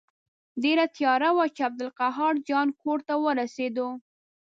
ډېره تیاره وه چې عبدالقاهر جان کور ته ورسېدو.